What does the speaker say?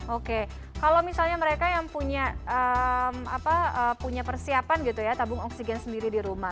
oke kalau misalnya mereka yang punya persiapan gitu ya tabung oksigen sendiri di rumah